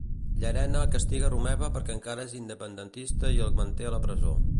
Llarena castiga Romeva perquè encara és independentista i el manté a la presó.